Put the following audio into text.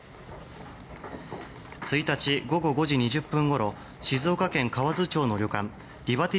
１日、午後５時２０分ごろ静岡県河津町の旅館リバティ